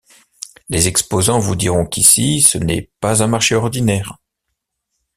Les exposants vous diront qu'ici, ce n'est pas un marché ordinaire.